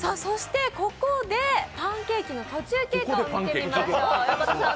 ここでパンケーキの途中経過を見てみましょう。